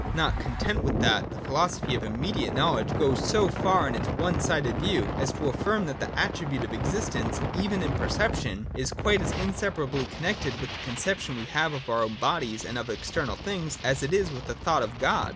Not content with that, the philosophy of imme diate knowledge goes so far in its one sided view, as to affirm that the attribute of existence, even in perception, is quite as inseparably connected with the conception we have of our own bodies and of external things, as it is with the thought of God.